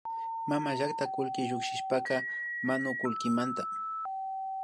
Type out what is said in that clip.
Mamallakta kullki llukshishkapak manukullkimanta